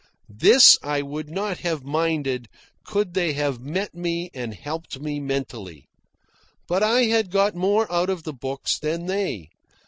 This I would not have minded, could they have met me and helped me mentally. But I had got more out of the books than they.